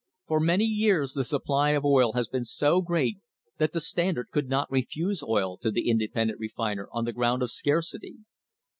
For many years the supply of oil has been so great that the Standard could not refuse oil to the independent refiner on the ground of scarcity.